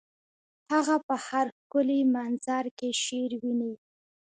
هغه په هر ښکلي منظر کې شعر ویني